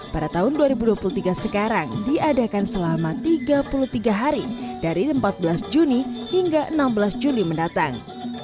pada tahun dua ribu dua puluh tiga sekarang diadakan selama tiga puluh tiga hari dari empat belas juni hingga enam belas juli mendatang